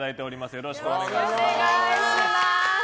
よろしくお願いします。